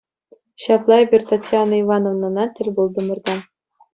Ҫапла эпир Татьяна Ивановнӑна тӗл пултӑмӑр та.